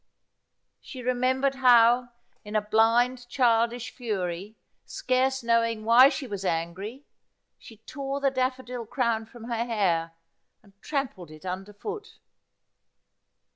She remembered 44 Asphodel. how, in a blind childish fury, scarce knowing why she was angry, she tore the daffodil crown from her hair and trampled it under foot.